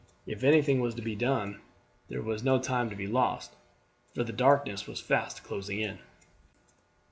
If anything was to be done there was no time to be lost, for the darkness was fast closing in.